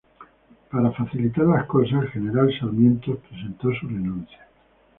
Para facilitar las cosas, el general Sarmiento presentó su renuncia.